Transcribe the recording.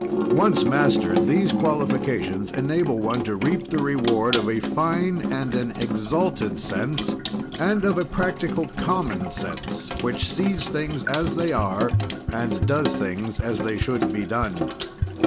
Once mastered, these qualifications enable one to reap the reward of a fine and an exalted sense, and of a practical common sense which sees things as they are and does things as they should be done.